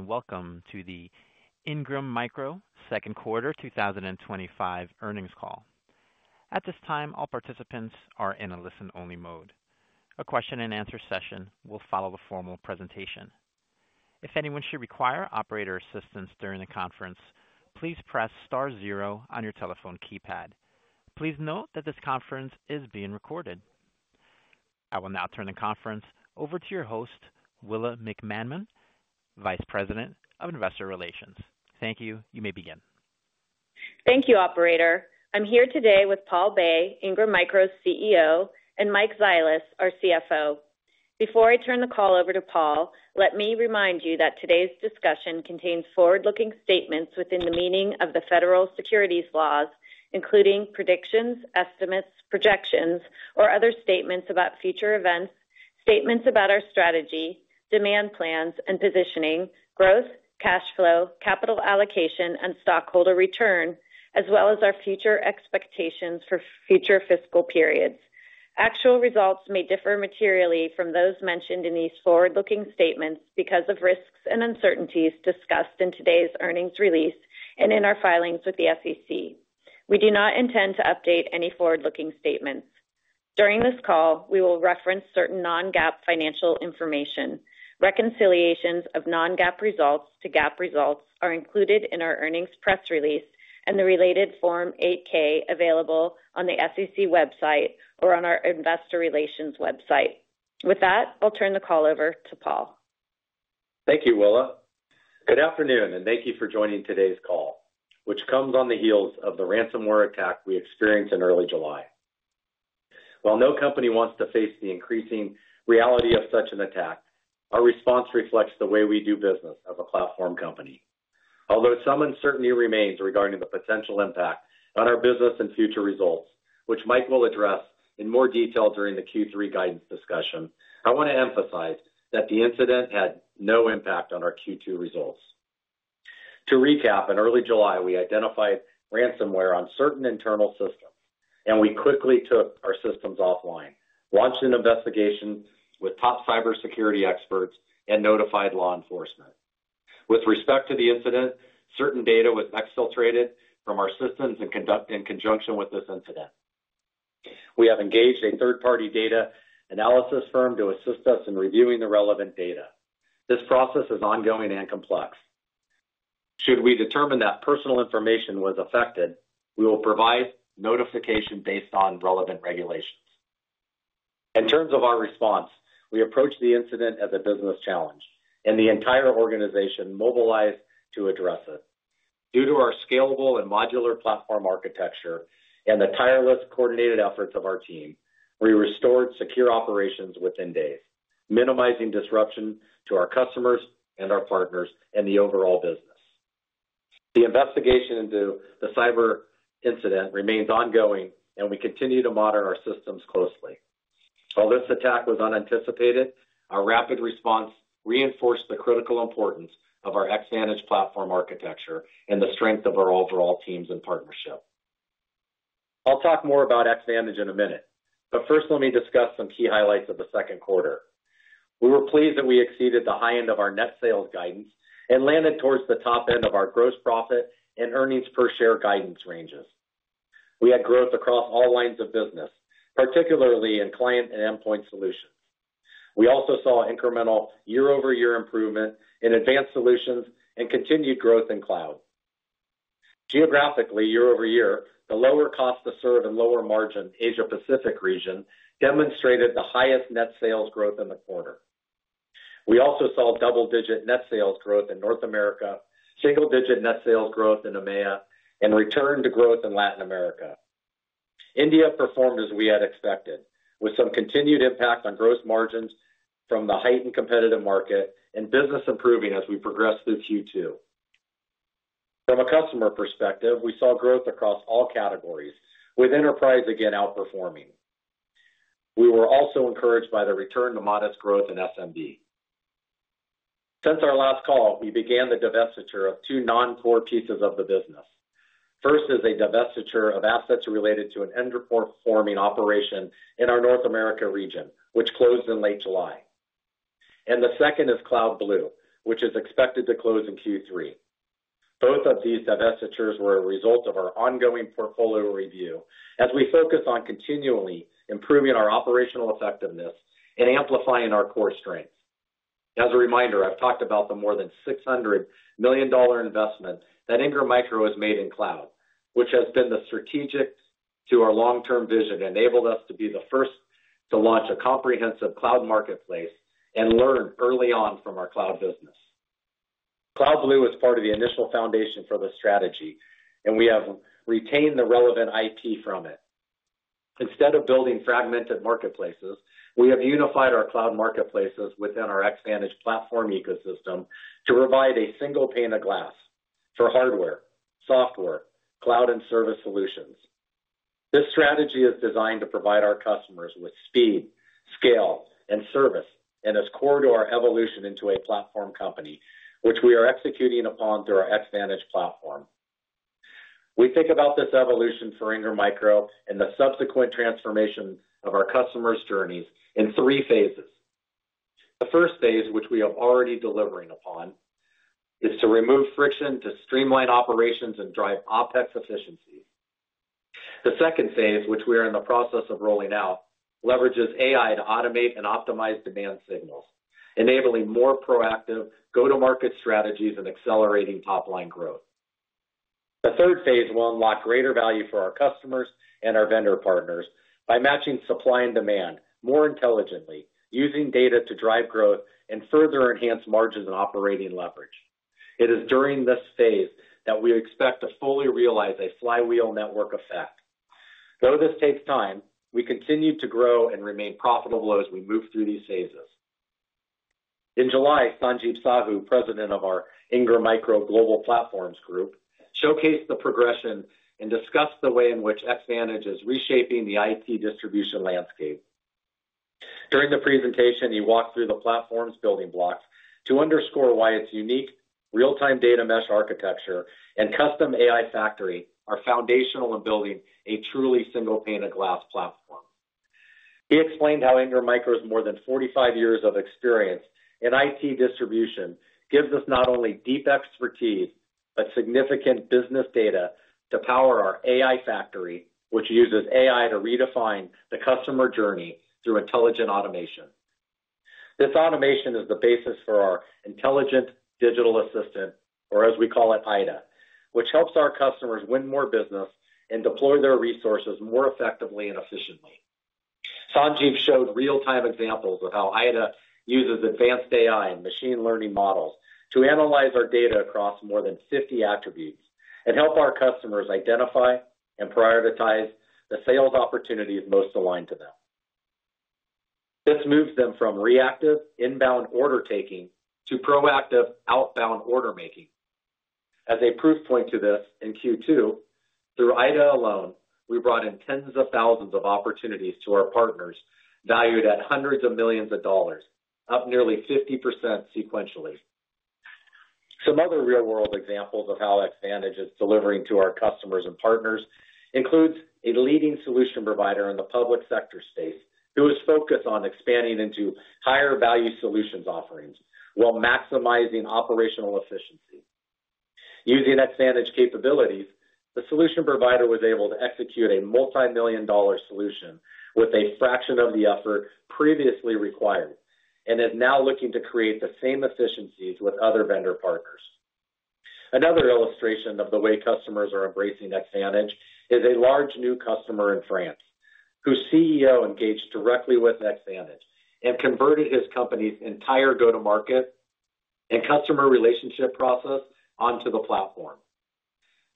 Welcome to the Ingram Micro Second Quarter 2025 earnings call. At this time, all participants are in a listen-only mode. A question-and-answer session will follow the formal presentation. If anyone should require operator assistance during the conference, please press *0 on your telephone keypad. Please note that this conference is being recorded. I will now turn the conference over to your host, Willa McManmon, Vice President of Investor Relations. Thank you. You may begin. Thank you, operator. I'm here today with Paul Bay, Ingram Micro's CEO, and Mike Zilis, our CFO. Before I turn the call over to Paul, let me remind you that today's discussion contains forward-looking statements within the meaning of the Federal Securities Laws, including predictions, estimates, projections, or other statements about future events, statements about our strategy, demand plans, and positioning, growth, cash flow, capital allocation, and stockholder return, as well as our future expectations for future fiscal periods. Actual results may differ materially from those mentioned in these forward-looking statements because of risks and uncertainties discussed in today's earnings release and in our filings with the SEC. We do not intend to update any forward-looking statements. During this call, we will reference certain non-GAAP financial information. Reconciliations of non-GAAP results to GAAP results are included in our earnings press release and the related Form 8-K available on the SEC website or on our Investor Relations website. With that, I'll turn the call over to Paul. Thank you, Willa. Good afternoon, and thank you for joining today's call, which comes on the heels of the ransomware attack we experienced in early July. While no company wants to face the increasing reality of such an attack, our response reflects the way we do business as a platform company. Although some uncertainty remains regarding the potential impact on our business and future results, which Mike will address in more detail during the Q3 guidance discussion, I want to emphasize that the incident had no impact on our Q2 results. To recap, in early July, we identified ransomware on certain internal systems, and we quickly took our systems offline, launched an investigation with top cybersecurity experts, and notified law enforcement. With respect to the incident, certain data was exfiltrated from our systems in conjunction with this incident. We have engaged a third-party data analysis firm to assist us in reviewing the relevant data. This process is ongoing and complex. Should we determine that personal information was affected, we will provide notification based on relevant regulations. In terms of our response, we approached the incident as a business challenge, and the entire organization mobilized to address it. Due to our scalable and modular platform architecture and the tireless coordinated efforts of our team, we restored secure operations within days, minimizing disruption to our customers and our partners and the overall business. The investigation into the cyber incident remains ongoing, and we continue to monitor our systems closely. While this attack was unanticipated, our rapid response reinforced the critical importance of our Xvantage platform architecture and the strength of our overall teams and partnership. I'll talk more about Xvantage in a minute, but first, let me discuss some key highlights of the second quarter. We were pleased that we exceeded the high end of our net sales guidance and landed towards the top end of our gross profit and earnings per share guidance ranges. We had growth across all lines of business, particularly in client and endpoint solutions. We also saw incremental year-over-year improvement in advanced solutions and continued growth in cloud. Geographically, year-over-year, the lower cost to serve and lower margin Asia-Pacific region demonstrated the highest net sales growth in the quarter. We also saw double-digit net sales growth in North America, single-digit net sales growth in EMEA, and return to growth in Latin America. India performed as we had expected, with some continued impact on gross margins from the heightened competitive market and business improving as we progressed this Q2. From a customer perspective, we saw growth across all categories, with enterprise again outperforming. We were also encouraged by the return to modest growth in SMB. Since our last call, we began the divestiture of two non-core pieces of the business. First is a divestiture of assets related to an underperforming operation in our North America region, which closed in late July. The second is CloudBlue, which is expected to close in Q3. Both of these divestitures were a result of our ongoing portfolio review, as we focus on continually improving our operational effectiveness and amplifying our core strength. As a reminder, I've talked about the more than $600 million investment that Ingram Micro has made in cloud, which has been strategic to our long-term vision and enabled us to be the first to launch a comprehensive cloud marketplace and learn early on from our cloud business. CloudBlue was part of the initial foundation for the strategy, and we have retained the relevant IP from it. Instead of building fragmented marketplaces, we have unified our cloud marketplaces within our Xvantage platform ecosystem to provide a single pane of glass for hardware, software, cloud, and service solutions. This strategy is designed to provide our customers with speed, scale, and service, and is core to our evolution into a platform company, which we are executing upon through our Xvantage platform. We think about this evolution for Ingram Micro and the subsequent transformation of our customers' journeys in three phases. The first phase, which we are already delivering upon, is to remove friction, to streamline operations, and drive OpEx efficiency. The second phase, which we are in the process of rolling out, leverages AI to automate and optimize demand signals, enabling more proactive go-to-market strategies and accelerating top-line growth. The third phase will unlock greater value for our customers and our vendor partners by matching supply and demand more intelligently, using data to drive growth and further enhance margins and operating leverage. It is during this phase that we expect to fully realize a flywheel network effect. Though this takes time, we continue to grow and remain profitable as we move through these phases. In July, Sanjib Sahoo, President of our Ingram Micro Global Platforms Group, showcased the progression and discussed the way in which Xvantage is reshaping the IT distribution landscape. During the presentation, he walked through the platform's building blocks to underscore why its unique real-time data mesh architecture and custom AI factory are foundational in building a truly single pane of glass platform. He explained how Ingram Micro's more than 45 years of experience in IT distribution gives us not only deep expertise but significant business data to power our AI factory, which uses AI to redefine the customer journey through intelligent automation. This automation is the basis for our intelligent digital assistant, or as we call it, IDA, which helps our customers win more business and deploy their resources more effectively and efficiently. Sanjib showed real-time examples of how IDA uses advanced AI and machine learning models to analyze our data across more than 50 attributes and help our customers identify and prioritize the sales opportunities most aligned to them. This moves them from reactive inbound order taking to proactive outbound order making. As a proof point to this, in Q2, through IDA alone, we brought in tens of thousands of opportunities to our partners valued at hundreds of millions of dollars, up nearly 50% sequentially. Some other real-world examples of how Xvantage is delivering to our customers and partners include a leading solution provider in the public sector space who is focused on expanding into higher value solutions offerings while maximizing operational efficiency. Using Xvantage's capabilities, the solution provider was able to execute a multimillion-dollar solution with a fraction of the effort previously required and is now looking to create the same efficiencies with other vendor partners. Another illustration of the way customers are embracing Xvantage is a large new customer in France, whose CEO engaged directly with Xvantage and converted his company's entire go-to-market and customer relationship process onto the platform.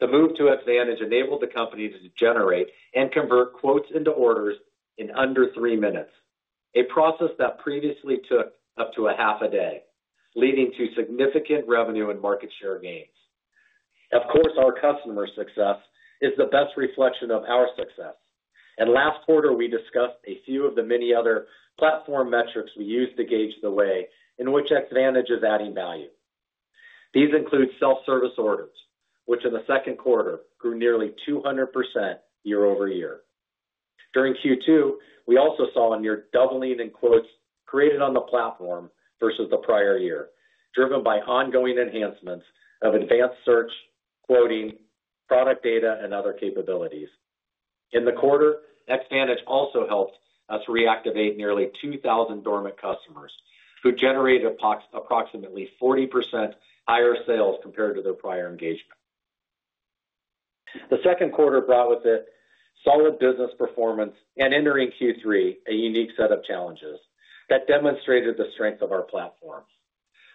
The move to Xvantage enabled the company to generate and convert quotes into orders in under three minutes, a process that previously took up to a half a day, leading to significant revenue and market share gains. Of course, our customer success is the best reflection of our success. Last quarter, we discussed a few of the many other platform metrics we use to gauge the way in which Xvantage is adding value. These include self-service orders, which in the second quarter grew nearly 200% year over year. During Q2, we also saw a near doubling in quotes created on the platform versus the prior year, driven by ongoing enhancements of advanced search, quoting, product data, and other capabilities. In the quarter, Xvantage also helped us reactivate nearly 2,000 dormant customers who generated approximately 40% higher sales compared to their prior engagement. The second quarter brought with it solid business performance and entering Q3 a unique set of challenges that demonstrated the strength of our platform.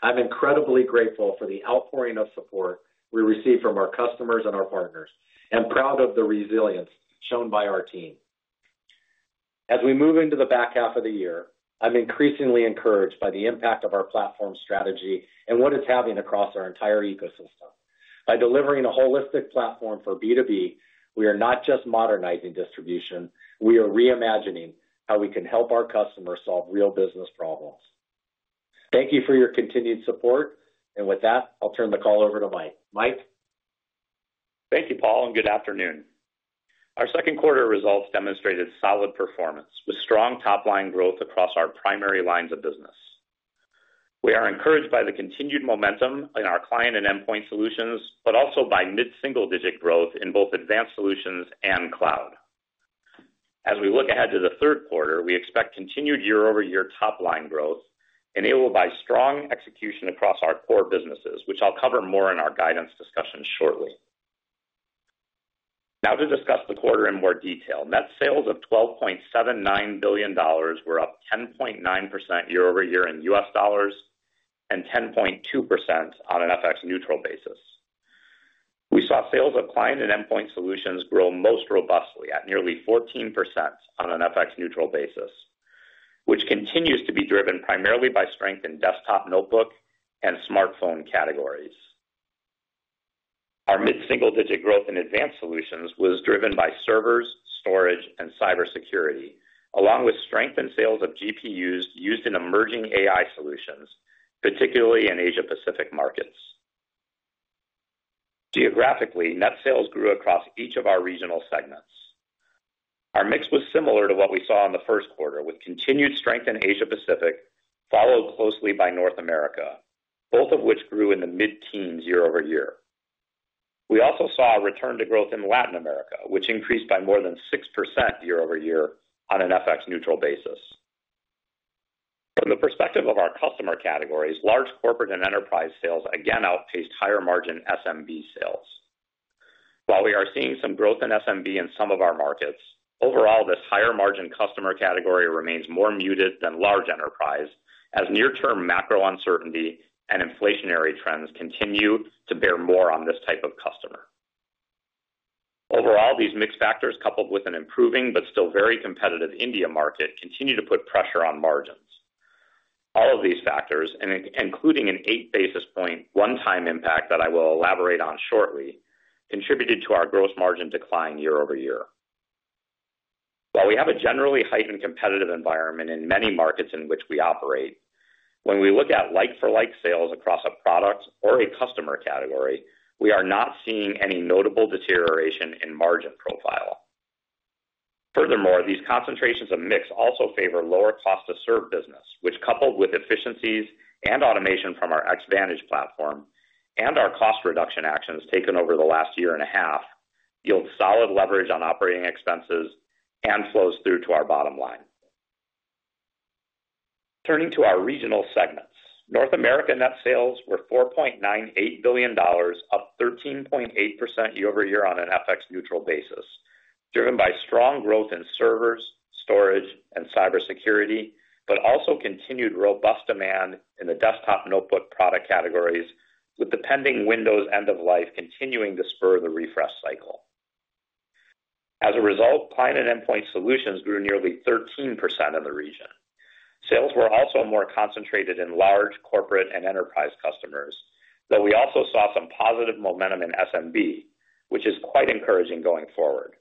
I'm incredibly grateful for the outpouring of support we receive from our customers and our partners and proud of the resilience shown by our team. As we move into the back half of the year, I'm increasingly encouraged by the impact of our platform strategy and what it's having across our entire ecosystem. By delivering a holistic platform for B2B, we are not just modernizing distribution, we are reimagining how we can help our customers solve real business problems. Thank you for your continued support. With that, I'll turn the call over to Mike. Thank you, Paul, and good afternoon. Our second quarter results demonstrated solid performance with strong top-line growth across our primary lines of business. We are encouraged by the continued momentum in our client and endpoint solutions, but also by mid-single-digit growth in both advanced solutions and cloud. As we look ahead to the third quarter, we expect continued year-over-year top-line growth enabled by strong execution across our core businesses, which I'll cover more in our guidance discussion shortly. Now to discuss the quarter in more detail. Net sales of $12.79 billion were up 10.9% year-over-year in U.S. dollars and 10.2% on an FX neutral basis. We saw sales of client and endpoint solutions grow most robustly at nearly 14% on an FX neutral basis, which continues to be driven primarily by strength in desktop, notebook, and smartphone categories. Our mid-single-digit growth in advanced solutions was driven by servers, storage, and cybersecurity, along with strength in sales of GPUs used in emerging AI solutions, particularly in Asia-Pacific markets. Geographically, net sales grew across each of our regional segments. Our mix was similar to what we saw in the first quarter, with continued strength in Asia-Pacific followed closely by North America, both of which grew in the mid-teens year over year. We also saw a return to growth in Latin America, which increased by more than 6% year over year on an FX neutral basis. From the perspective of our customer categories, large corporate and enterprise sales again outpaced higher margin SMB sales. While we are seeing some growth in SMB in some of our markets, overall, this higher margin customer category remains more muted than large enterprise, as near-term macro uncertainty and inflationary trends continue to bear more on this type of customer. Overall, these mixed factors, coupled with an improving but still very competitive India market, continue to put pressure on margins. All of these factors, including an eight-basis point one-time impact that I will elaborate on shortly, contributed to our gross margin decline year over year. While we have a generally heightened competitive environment in many markets in which we operate, when we look at like-for-like sales across a product or a customer category, we are not seeing any notable deterioration in margin profile. Furthermore, these concentrations of mix also favor lower cost to serve business, which, coupled with efficiencies and automation from our Xvantage platform and our cost reduction actions taken over the last year and a half, yields solid leverage on operating expenses and flows through to our bottom line. Turning to our regional segments, North America net sales were $4.98 billion, up 13.8% year-over-year on an FX neutral basis, driven by strong growth in servers, storage, and cybersecurity, but also continued robust demand in the desktop notebook product categories, with the pending Windows end of life continuing to spur the refresh cycle. As a result, client and endpoint solutions grew nearly 13% in the region. Sales were also more concentrated in large corporate and enterprise customers, though we also saw some positive momentum in SMB, which is quite encouraging going forward.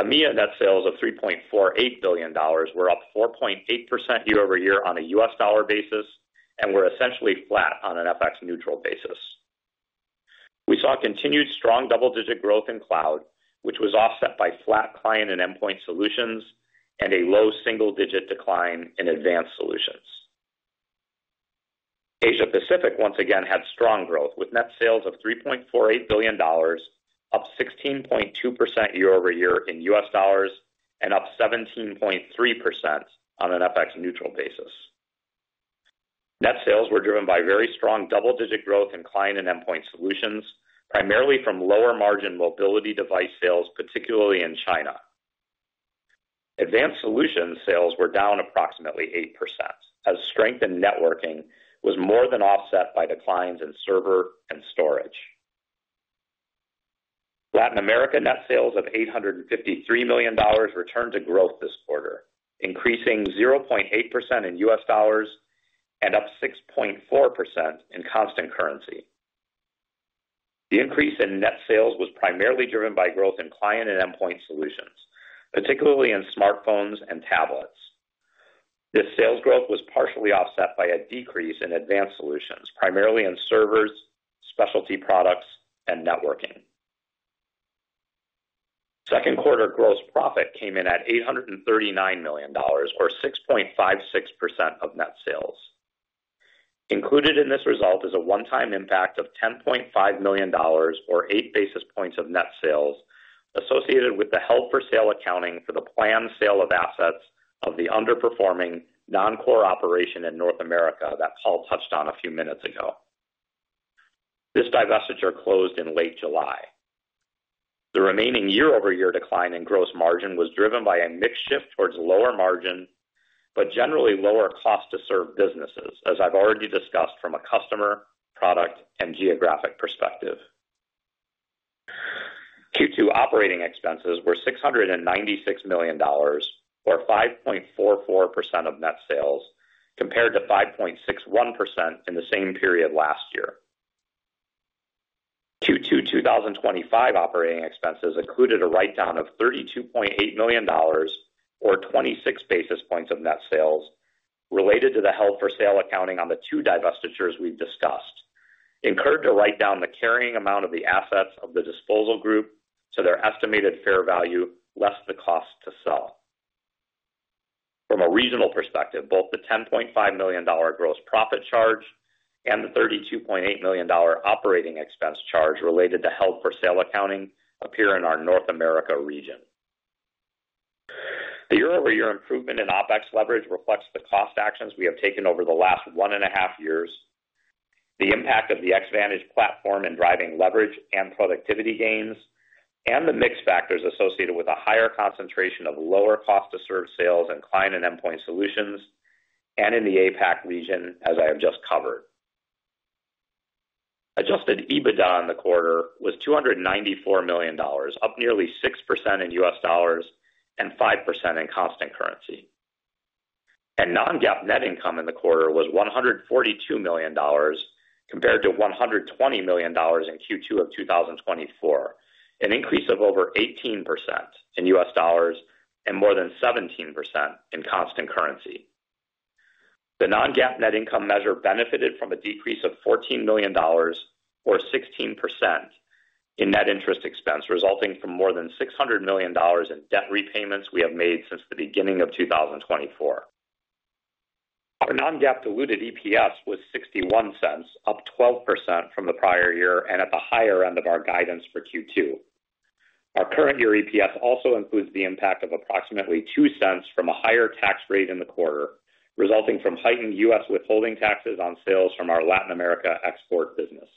EMEA net sales of $3.48 billion were up 4.8% year over year on a US dollar basis and were essentially flat on an FX neutral basis. We saw continued strong double-digit growth in cloud, which was offset by flat client and endpoint solutions and a low single-digit decline in advanced solutions. Asia-Pacific once again had strong growth, with net sales of $3.48 billion, up 16.2% year over year in U.S. dollars and up 17.3% on an FX neutral basis. Net sales were driven by very strong double-digit growth in client and endpoint solutions, primarily from lower margin mobility device sales, particularly in China. Advanced solutions sales were down approximately 8%, as strength in networking was more than offset by declines in server and storage. Latin America net sales of $853 million returned to growth this quarter, increasing 0.8% in U.S. dollars and up 6.4% in constant currency. The increase in net sales was primarily driven by growth in client and endpoint solutions, particularly in smartphones and tablets. This sales growth was partially offset by a decrease in advanced solutions, primarily in servers, specialty products, and networking. Second quarter gross profit came in at $839 million, or 6.56% of net sales. Included in this result is a one-time impact of $10.5 million, or 8 basis points of net sales, associated with the held-for-sale accounting for the planned sale of assets of the underperforming non-core operation in North America that Paul Bay touched on a few minutes ago. This divestiture closed in late July. The remaining year-over-year decline in gross margin was driven by a mix shift towards lower margin but generally lower cost to serve businesses, as I've already discussed, from a customer, product, and geographic perspective. Q2 operating expenses were $696 million, or 5.44% of net sales, compared to 5.61% in the same period last year. Q2 2025 operating expenses included a write-down of $32.8 million, or 26 basis points of net sales, related to the held-for-sale accounting on the two divestitures we've discussed, incurred to write down the carrying amount of the assets of the disposal group to their estimated fair value, less the cost to sell. From a regional perspective, both the $10.5 million gross profit charge and the $32.8 million operating expense charge related to held-for-sale accounting appear in our North America region. The year-over-year improvement in OpEx leverage reflects the cost actions we have taken over the last one and a half years, the impact of the Xvantage platform in driving leverage and productivity gains, and the mix factors associated with a higher concentration of lower cost to serve sales in client and endpoint solutions and in the APAC region, as I have just covered. Adjusted EBITDA on the quarter was $294 million, up nearly 6% in U.S. dollars and 5% in constant currency. Non-GAAP net income in the quarter was $142 million compared to $120 million in Q2 of 2024, an increase of over 18% in U.S. dollars and more than 17% in constant currency. The non-GAAP net income measure benefited from a decrease of $14 million, or 16%, in net interest expense, resulting from more than $600 million in debt repayments we have made since the beginning of 2024. Our non-GAAP diluted EPS was $0.61, up 12% from the prior year and at the higher end of our guidance for Q2. Our current year EPS also includes the impact of approximately $0.02 from a higher tax rate in the quarter, resulting from heightened U.S. withholding taxes on sales from our Latin America export business.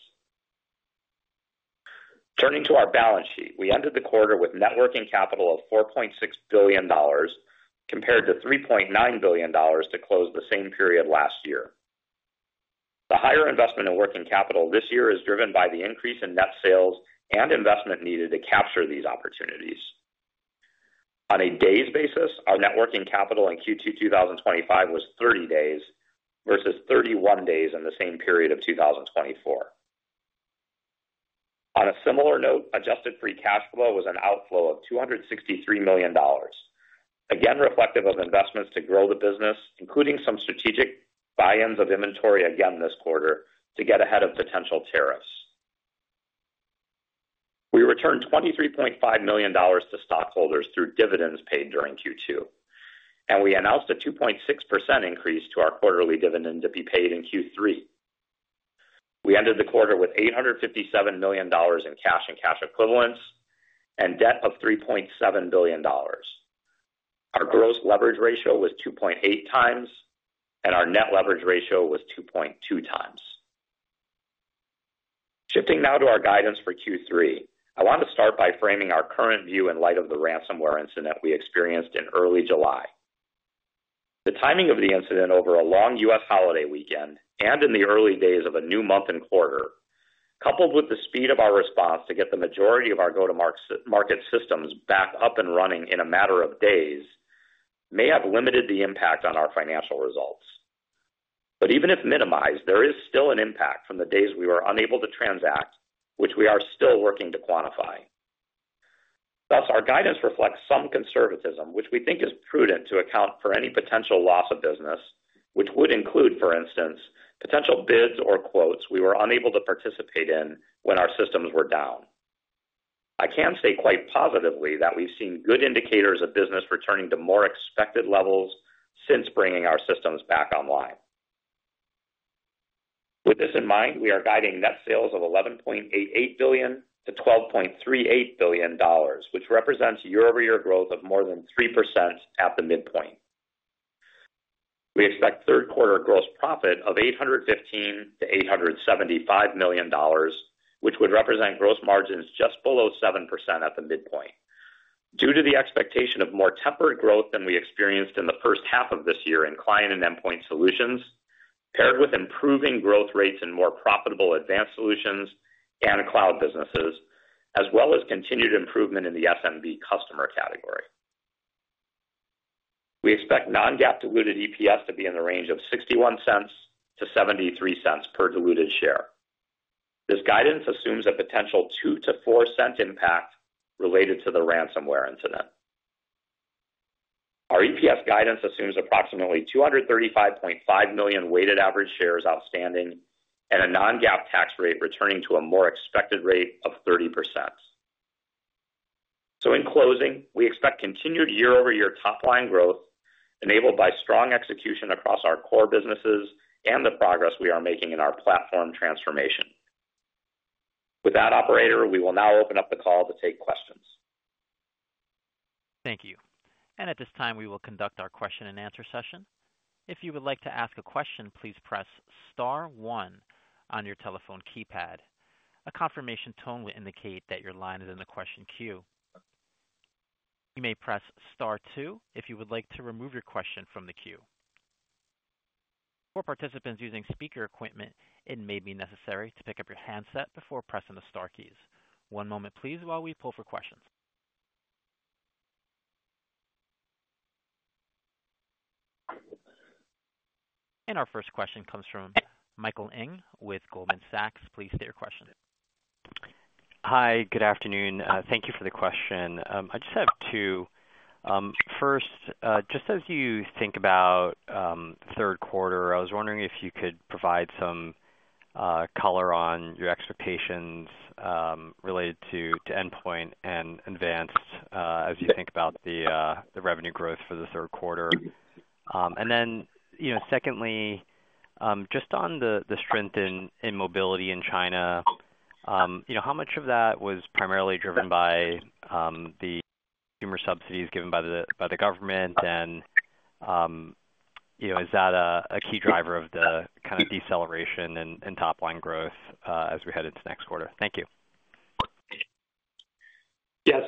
Turning to our balance sheet, we ended the quarter with net working capital of $4.6 billion compared to $3.9 billion to close the same period last year. The higher investment in working capital this year is driven by the increase in net sales and investment needed to capture these opportunities. On a day's basis, our net working capital in Q2 2025 was 30 days versus 31 days in the same period of 2024. On a similar note, adjusted free cash flow was an outflow of $263 million, again reflective of investments to grow the business, including some strategic buy-ins of inventory again this quarter to get ahead of potential tariffs. We returned $23.5 million to stockholders through dividends paid during Q2, and we announced a 2.6% increase to our quarterly dividend to be paid in Q3. We ended the quarter with $857 million in cash and cash equivalents and debt of $3.7 billion. Our gross leverage ratio was 2.8 times, and our net leverage ratio was 2.2 times. Shifting now to our guidance for Q3, I want to start by framing our current view in light of the ransomware incident we experienced in early July. The timing of the incident over a long U.S. holiday weekend and in the early days of a new month and quarter, coupled with the speed of our response to get the majority of our go-to-market systems back up and running in a matter of days, may have limited the impact on our financial results. Even if minimized, there is still an impact from the days we were unable to transact, which we are still working to quantify. Thus, our guidance reflects some conservatism, which we think is prudent to account for any potential loss of business, which would include, for instance, potential bids or quotes we were unable to participate in when our systems were down. I can say quite positively that we've seen good indicators of business returning to more expected levels since bringing our systems back online. With this in mind, we are guiding net sales of $11.88 billion to $12.38 billion, which represents year-over-year growth of more than 3% at the midpoint. We expect third-quarter gross profit of $815-$875 million, which would represent gross margins just below 7% at the midpoint. Due to the expectation of more tempered growth than we experienced in the first half of this year in client and endpoint solutions, paired with improving growth rates in more profitable advanced solutions and cloud businesses, as well as continued improvement in the SMB customer category, we expect non-GAAP diluted EPS to be in the range of $0.61-$0.73 per diluted share. This guidance assumes a potential $0.02-$0.04 impact related to the ransomware incident. Our EPS guidance assumes approximately 235.5 million weighted average shares outstanding and a non-GAAP tax rate returning to a more expected rate of 30%. In closing, we expect continued year-over-year top-line growth enabled by strong execution across our core businesses and the progress we are making in our platform transformation. With that, operator, we will now open up the call to take questions. Thank you. At this time, we will conduct our question-and-answer session. If you would like to ask a question, please press *1 on your telephone keypad. A confirmation tone will indicate that your line is in the question queue. You may press *2 if you would like to remove your question from the queue. For participants using speaker equipment, it may be necessary to pick up your handset before pressing the * keys. One moment, please, while we poll for questions. Our first question comes from Michael Ng with Goldman Sachs. Please state your question. Hi. Good afternoon. Thank you for the question. I just have two. First, just as you think about the third quarter, I was wondering if you could provide some color on your expectations related to endpoint and advanced as you think about the revenue growth for the third quarter. Secondly, just on the strength in mobility in China, how much of that was primarily driven by the consumer subsidies given by the government? Is that a key driver of the kind of deceleration in top-line growth as we head into next quarter? Thank you. Yeah.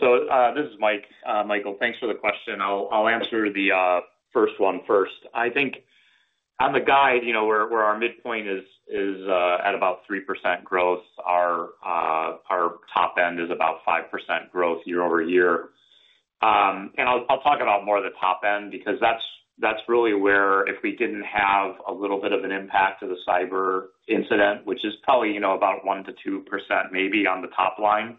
This is Mike. Michael, thanks for the question. I'll answer the first one first. I think on the guide, where our midpoint is at about 3% growth, our top end is about 5% growth year over year. I'll talk about more of the top end because that's really where, if we didn't have a little bit of an impact to the cyber incident, which is probably about 1%-2% maybe on the topline,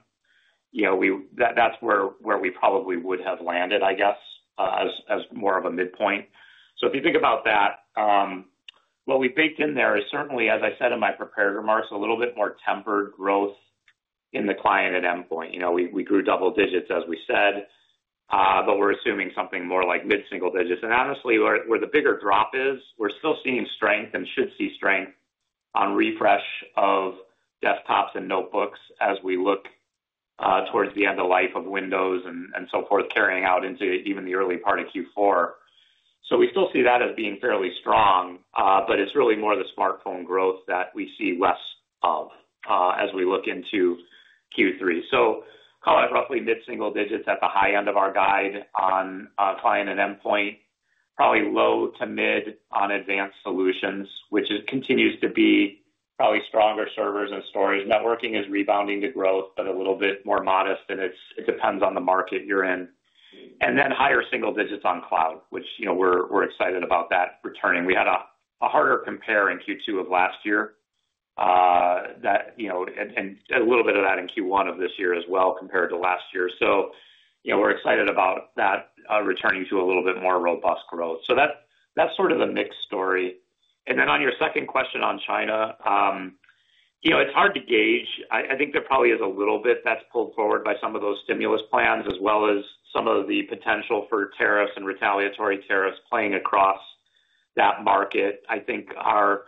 that's where we probably would have landed, I guess, as more of a midpoint. If you think about that, what we baked in there is certainly, as I said in my prepared remarks, a little bit more tempered growth in the client and endpoint. We grew double digits, as we said, but we're assuming something more like mid-single digits. Honestly, where the bigger drop is, we're still seeing strength and should see strength on refresh of desktops and notebooks as we look towards the end of life of Windows and so forth, carrying out into even the early part of Q4. We still see that as being fairly strong, but it's really more the smartphone growth that we see less of as we look into Q3. Call it roughly mid-single digits at the high end of our guide on client and endpoint, probably low to mid on advanced solutions, which continues to be probably stronger servers and storage. Networking is rebounding to growth, but a little bit more modest, and it depends on the market you're in. Higher single digits on cloud, which we're excited about that returning. We had a harder compare in Q2 of last year and a little bit of that in Q1 of this year as well compared to last year. We're excited about that returning to a little bit more robust growth. That's sort of the mixed story. On your second question on China, it's hard to gauge. I think there probably is a little bit that's pulled forward by some of those stimulus plans as well as some of the potential for tariffs and retaliatory tariffs playing across that market. I think our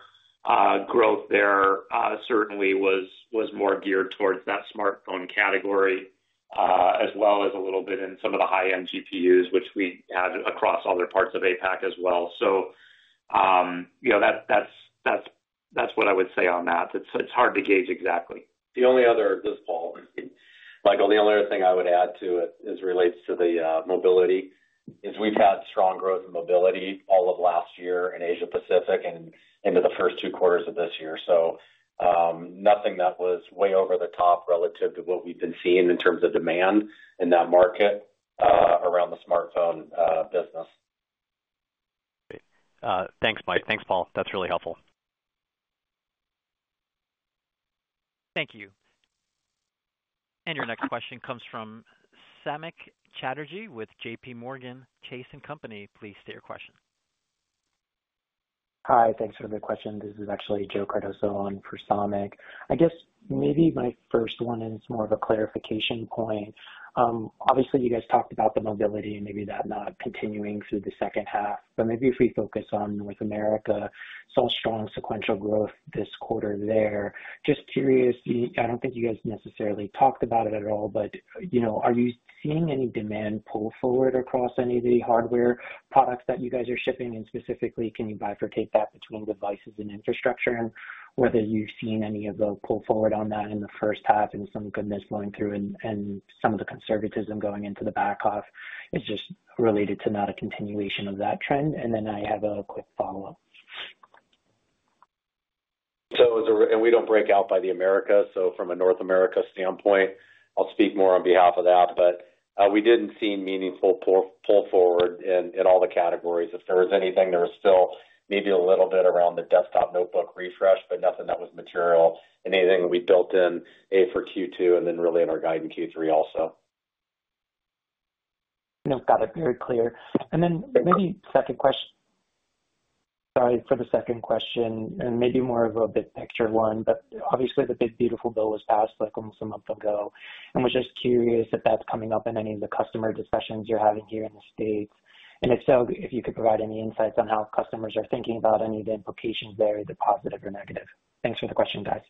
growth there certainly was more geared towards that smartphone category, as well as a little bit in some of the high-end GPUs, which we add across other parts of Asia-Pacific as well. That's what I would say on that. It's hard to gauge exactly. The only other thing I would add to it as it relates to the mobility is we've had strong growth in mobility all of last year in Asia-Pacific and into the first two quarters of this year. Nothing that was way over the top relative to what we've been seeing in terms of demand in that market around the smartphone business. Thanks, Mike. Thanks, Paul. That's really helpful. Thank you. Your next question comes from Samik Chatterjee with JPMorgan. Please state your question. Hi. Thanks for the question. This is actually Joe Cardoso on for Samik. I guess maybe my first one is more of a clarification point. Obviously, you guys talked about the mobility and maybe that not continuing through the second half. If we focus on North America, strong sequential growth this quarter there. Just curious, I don't think you guys necessarily talked about it at all, but are you seeing any demand pull forward across any of the hardware products that you guys are shipping? Specifically, can you bifurcate that between devices and infrastructure? Whether you've seen any of the pull forward on that in the first half and some of the goodness going through and some of the conservatism going into the back half is just related to not a continuation of that trend? I have a quick follow-up. We don't break out by the Americas. From a North America standpoint, I'll speak more on behalf of that. We didn't see meaningful pull forward in all the categories. If there was anything, there was still maybe a little bit around the desktop notebook refresh, but nothing that was material. Anything we built in A for Q2 and then really in our guide in Q3 also. Got it. Very clear. Maybe second question. Sorry for the second question. Maybe more of a big picture one. Obviously the big beautiful bill was passed like almost a month ago. We're just curious if that's coming up in any of the customer discussions you're having here in the States. If so, if you could provide any insights on how customers are thinking about any of the implications there, either positive or negative. Thanks for the question, guys.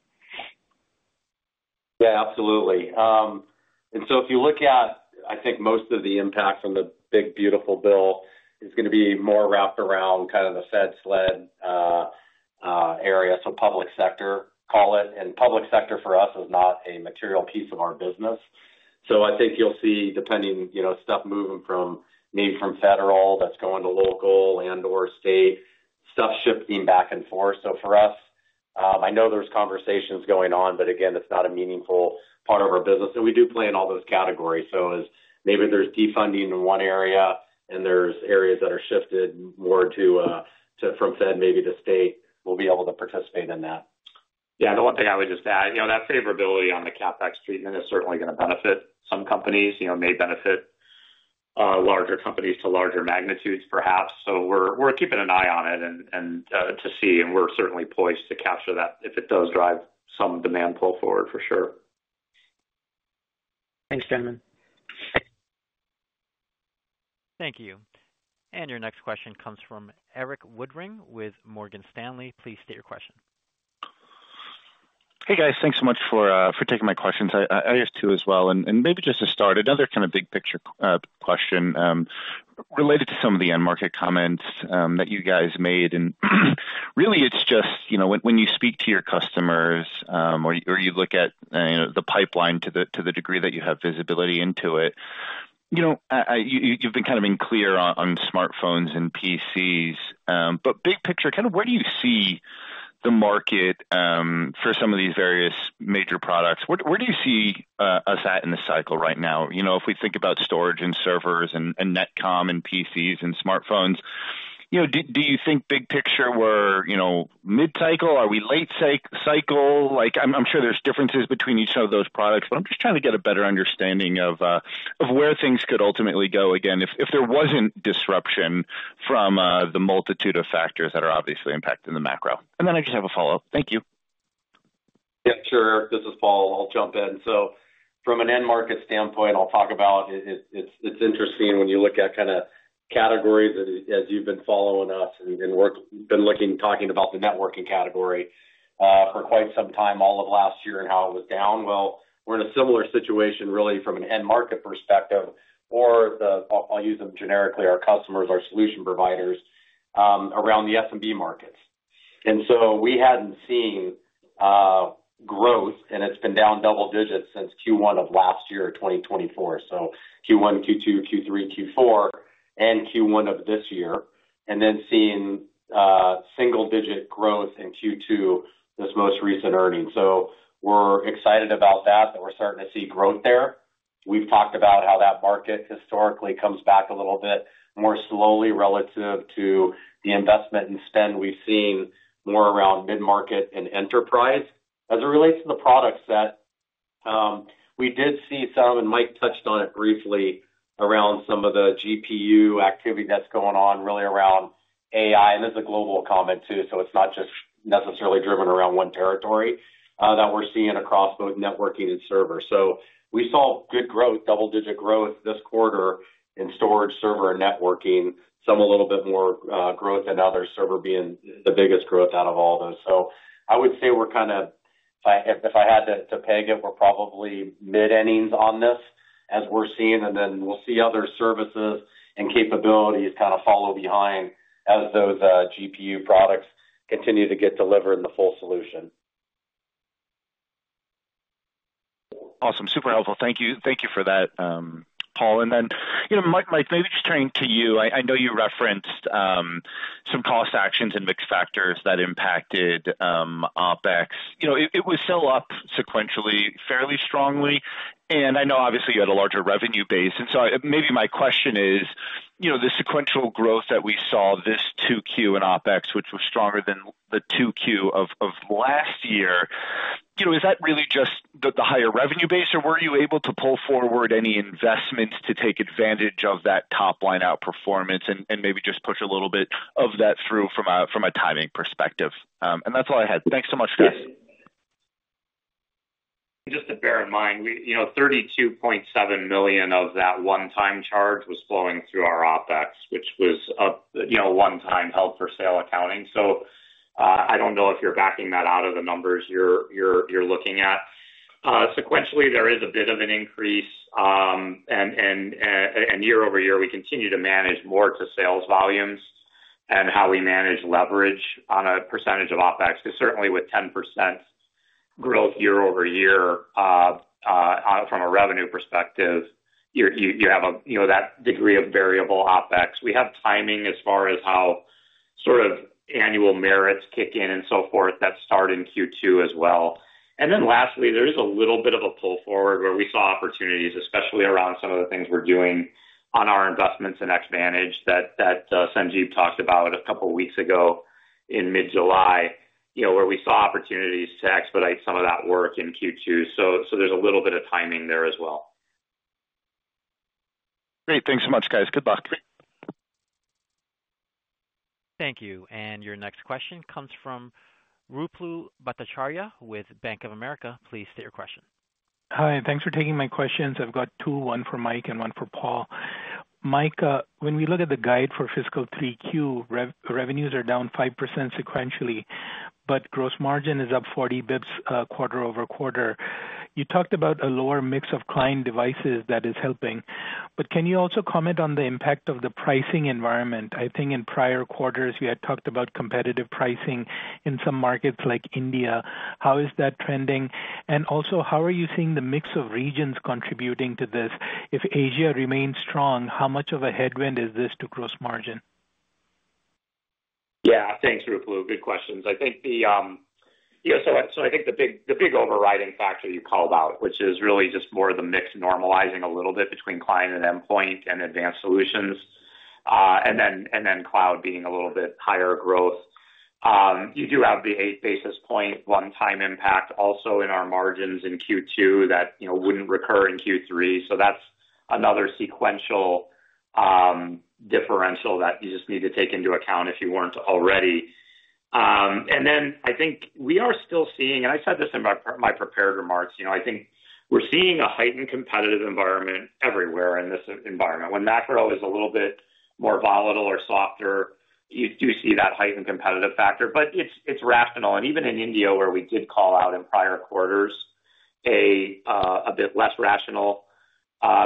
Yeah, absolutely. If you look at it, I think most of the impact from the big beautiful bill is going to be more wrapped around kind of the Fed-SLED area, so public sector, call it. Public sector for us is not a material piece of our business. I think you'll see, depending, you know, stuff moving from need from Federal that's going to local and/or state, stuff shifting back and forth. For us, I know there's conversations going on, but again, it's not a meaningful part of our business. We do play in all those categories. Maybe there's defunding in one area and there's areas that are shifted more to from Fed, maybe to state. We'll be able to participate in that. The one thing I would just add, that favorability on the CapEx treatment is certainly going to benefit some companies. It may benefit larger companies to larger magnitudes, perhaps. We're keeping an eye on it to see. We're certainly poised to capture that if it does drive some demand pull forward for sure. Thanks, gentlemen. Thank you. Your next question comes from Erik Woodring with Morgan Stanley. Please state your question. Hey, guys. Thanks so much for taking my questions. I have two as well. Maybe just to start, another kind of big picture question related to some of the end market comments that you guys made. It's just, you know, when you speak to your customers or you look at the pipeline to the degree that you have visibility into it, you've been kind of being clear on smartphones and PCs. Big picture, kind of where do you see the market for some of these various major products? Where do you see us at in the cycle right now? If we think about storage and servers and Netcom and PCs and smartphones, do you think big picture we're mid-cycle? Are we late cycle? I'm sure there's differences between each of those products, but I'm just trying to get a better understanding of where things could ultimately go again if there wasn't disruption from the multitude of factors that are obviously impacting the macro. I just have a follow-up. Thank you. Yeah, sure. This is Paul. I'll jump in. From an end market standpoint, I'll talk about it's interesting when you look at kind of categories as you've been following us and been looking and talking about the networking category for quite some time all of last year and how it was down. We're in a similar situation really from an end market perspective, or the, I'll use them generically, our customers, our solution providers around the SMB markets. We hadn't seen growth, and it's been down double digits since Q1 of last year, 2024. Q1, Q2, Q3, Q4, and Q1 of this year, and then seeing single-digit growth in Q2, this most recent earning. We're excited about that, that we're starting to see growth there. We've talked about how that market historically comes back a little bit more slowly relative to the investment and spend we've seen more around mid-market and enterprise. As it relates to the product set, we did see some, and Mike touched on it briefly, around some of the GPU activity that's going on really around AI. This is a global comment too, so it's not just necessarily driven around one territory that we're seeing across both networking and server. We saw good growth, double-digit growth this quarter in storage, server, and networking, some a little bit more growth than others, server being the biggest growth out of all those. I would say we're kind of, if I had to peg it, we're probably mid-ending on this as we're seeing, and then we'll see other services and capabilities kind of follow behind as those GPU products continue to get delivered in the full solution. Awesome. Super helpful. Thank you. Thank you for that, Paul. Mike, maybe just turning to you, I know you referenced some cost actions and mixed factors that impacted OpEx. It was still up sequentially fairly strongly. I know, obviously, you had a larger revenue base. Maybe my question is, the sequential growth that we saw this 2Q in OpEx, which was stronger than the 2Q of last year, is that really just the higher revenue base, or were you able to pull forward any investments to take advantage of that topline outperformance and maybe just push a little bit of that through from a timing perspective? That's all I had. Thanks so much, guys. Just to bear in mind, $32.7 million of that one-time charge was flowing through our OpEx, which was a one-time held-for-sale accounting. I don't know if you're backing that out of the numbers you're looking at. Sequentially, there is a bit of an increase. Year over year, we continue to manage more to sales volumes and how we manage leverage on a percentage of OpEx because certainly with 10% growth year over year from a revenue perspective, you have that degree of variable OpEx. We have timing as far as how sort of annual merits kick in and so forth that start in Q2 as well. Lastly, there is a little bit of a pull forward where we saw opportunities, especially around some of the things we're doing on our investments in Xvantage that Sanjib talked about a couple of weeks ago in mid-July, where we saw opportunities to expedite some of that work in Q2. There's a little bit of timing there as well. Great. Thanks so much, guys. Good luck. Thank you. Your next question comes from Ruplu Bhattacharya with Bank of America. Please state your question. Hi. Thanks for taking my questions. I've got two, one for Mike and one for Paul. Mike, when we look at the guide for fiscal 3Q, revenues are down 5% sequentially, but gross margin is up 40 bps quarter over quarter. You talked about a lower mix of client devices that is helping. Can you also comment on the impact of the pricing environment? I think in prior quarters, you had talked about competitive pricing in some markets like India. How is that trending? Also, how are you seeing the mix of regions contributing to this? If Asia remains strong, how much of a headwind is this to gross margin? Yeah. Thanks, Ruplu. Good questions. I think the big overriding factor you called out, which is really just more of the mix normalizing a little bit between client and endpoint and advanced solutions, and then cloud being a little bit higher growth. You do have the 8 basis point one-time impact also in our margins in Q2 that wouldn't recur in Q3. That's another sequential differential that you just need to take into account if you weren't already. I think we are still seeing, and I said this in my prepared remarks, we're seeing a heightened competitive environment everywhere in this environment. When macro is a little bit more volatile or softer, you do see that heightened competitive factor. It's rational. Even in India, where we did call out in prior quarters a bit less rational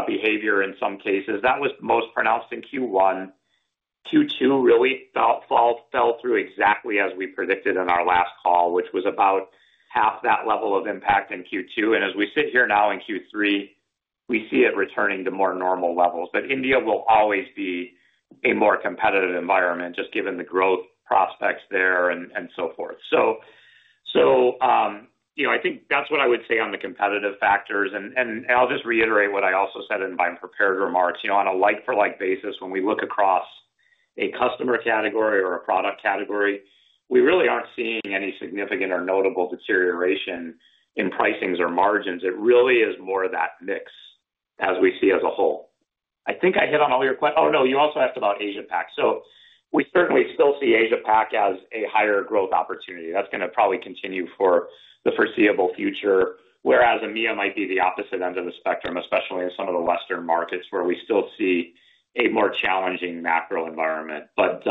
behavior in some cases, that was most pronounced in Q1. Q2 really fell through exactly as we predicted in our last call, which was about half that level of impact in Q2. As we sit here now in Q3, we see it returning to more normal levels. India will always be a more competitive environment, just given the growth prospects there and so forth. I think that's what I would say on the competitive factors. I'll just reiterate what I also said in my prepared remarks. On a like-for-like basis, when we look across a customer category or a product category, we really aren't seeing any significant or notable deterioration in pricings or margins. It really is more that mix as we see as a whole. I think I hit on all your questions. Oh, no, you also asked about Asia-Pacific. We certainly still see Asia-Pacific as a higher growth opportunity. That's going to probably continue for the foreseeable future, whereas EMEA might be the opposite end of the spectrum, especially in some of the Western markets where we still see a more challenging macro environment. What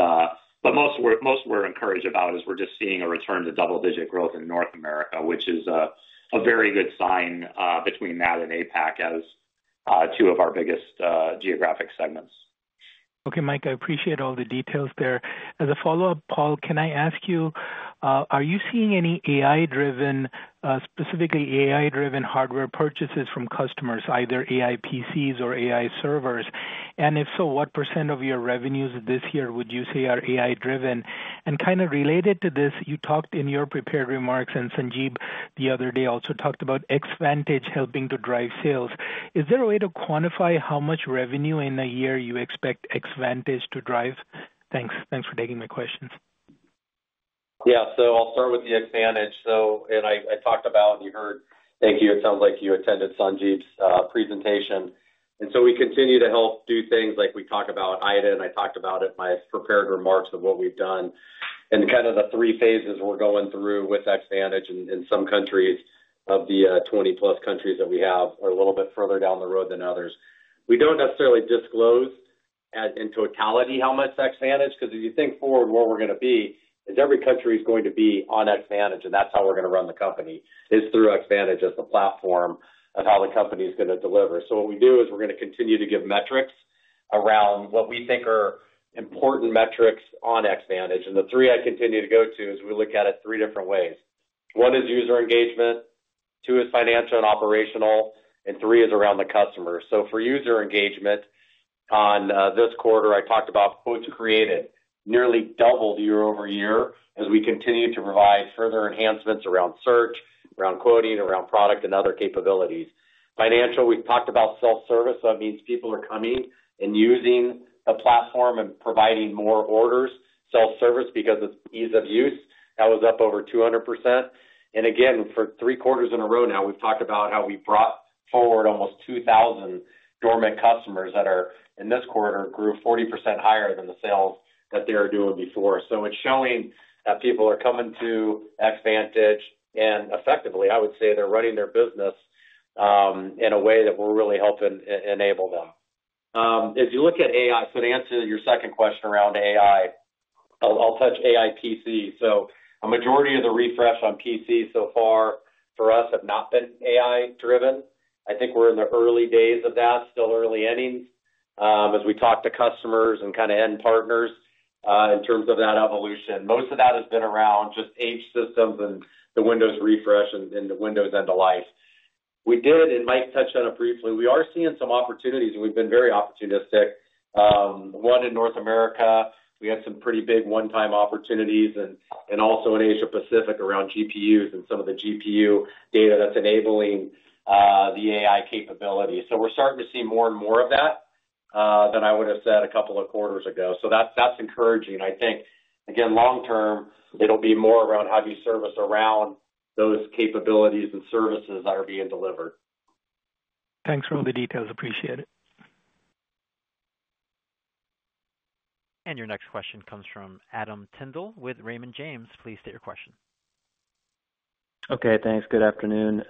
we're most encouraged about is we're just seeing a return to double-digit growth in North America, which is a very good sign between that and Asia-Pacific as two of our biggest geographic segments. Okay, Mike, I appreciate all the details there. As a follow-up, Paul, can I ask you, are you seeing any AI-driven, specifically AI-driven hardware purchases from customers, either AI PCs or AI servers? If so, what % of your revenues this year would you say are AI-driven? Related to this, you talked in your prepared remarks, and Sanjib the other day also talked about Xvantage helping to drive sales. Is there a way to quantify how much revenue in a year you expect Xvantage to drive? Thanks. Thanks for taking my questions. Yeah. I'll start with Xvantage. I talked about, you heard, thank you, it sounds like you attended Sanjib's presentation. We continue to help do things like we talked about IDA. I talked about it in my prepared remarks of what we've done and kind of the three phases we're going through with Xvantage. In some countries of the 20-plus countries that we have, some are a little bit further down the road than others. We don't necessarily disclose in totality how much Xvantage, because if you think forward, where we're going to be is every country is going to be on Xvantage, and that's how we're going to run the company, through Xvantage as the platform of how the company is going to deliver. We are going to continue to give metrics around what we think are important metrics on Xvantage. The three I continue to go to are, we look at it three different ways. One is user engagement, two is financial and operational, and three is around the customer. For user engagement on this quarter, I talked about quotes created nearly doubled year over year as we continue to provide further enhancements around search, around quoting, around product, and other capabilities. Financial, we've talked about self-service. That means people are coming and using the platform and providing more orders self-service because it's ease of use. That was up over 200%. For three quarters in a row now, we've talked about how we brought forward almost 2,000 dormant customers that are, in this quarter, grew 40% higher than the sales that they were doing before. It's showing that people are coming to Xvantage, and effectively, I would say they're running their business in a way that we're really helping enable that. As you look at AI, to answer your second question around AI, I'll touch AI PC. A majority of the refresh on PC so far for us have not been AI-driven. I think we're in the early days of that, still early innings, as we talk to customers and kind of end partners in terms of that evolution. Most of that has been around just H systems and the Windows refresh and the Windows end-of-life. We did, and Mike touched on it briefly, we are seeing some opportunities, and we've been very opportunistic. One in North America, we had some pretty big one-time opportunities, and also in Asia-Pacific around GPUs and some of the GPU data that's enabling the AI capability. We're starting to see more and more of that than I would have said a couple of quarters ago. That's encouraging. I think, again, long-term, it'll be more around how do you service around those capabilities and services that are being delivered. Thanks for all the details. Appreciate it. Your next question comes from Adam Tindle with Raymond James. Please state your question. Okay. Thanks. Good afternoon.